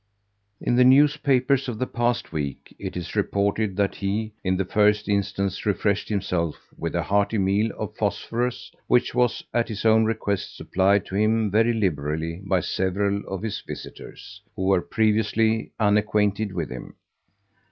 In the newspapers of the past week it is reported that he, in the first instance, refreshed himself with a hearty meal of phosphorus, which was, at his own request, supplied to him very liberally by several of his visitors, who were previously unacquainted with him.